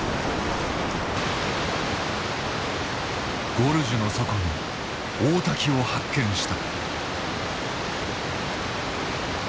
ゴルジュの底に大滝を発見した。